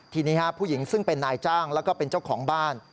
ทีนี้ผู้หญิงซึ่งเป็นนายจ้างแล้วก็เป็นเจ้าของบ้าน